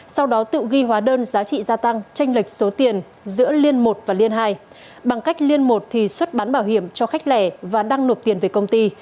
sau đó tự ghi hóa đơn giá trị gia tăng tranh lệch số tiền giữa liên một và liên hai bằng cách liên một thì xuất bán bảo hiểm cho khách lẻ và đăng nộp tiền về công ty